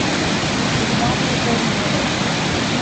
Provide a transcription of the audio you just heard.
It is on the Euphrates River.